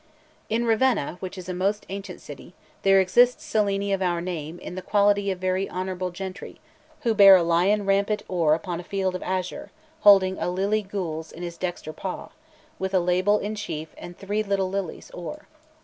In Ravenna, which is a most ancient city, there exist Cellini of our name in the quality of very honourable gentry, who bear a lion rampant or upon a field of azure, holding a lily gules in his dexter paw, with a label in chief and three little lilies or.